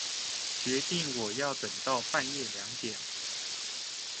決定我要等到半夜兩點